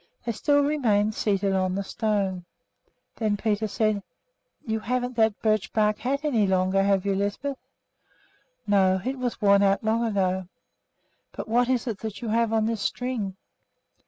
They still remained seated on the stone. Then Peter said, "You haven't that birch bark hat any longer, have you, Lisbeth?" "No; it was worn out long ago." "But what is it you have on this string?"